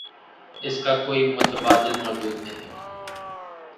اس کا کوئی متبادل موجود نہیں۔